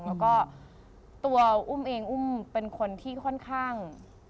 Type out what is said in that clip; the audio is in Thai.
แล้วก็ตัวอุ้มเองอุ้มเป็นคนที่ค่อนข้าง